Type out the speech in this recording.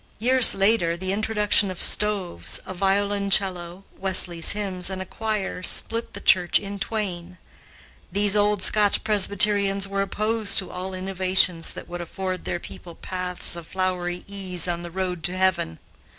Years later, the introduction of stoves, a violoncello, Wesley's hymns, and a choir split the church in twain. These old Scotch Presbyterians were opposed to all innovations that would afford their people paths of flowery ease on the road to Heaven.